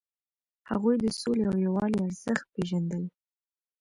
هغوی د سولې او یووالي ارزښت پیژندل.